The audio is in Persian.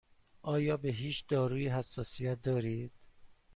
آیا به هیچ دارویی حساسیت دارید؟